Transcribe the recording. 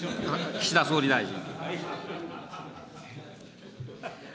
岸田総理大臣。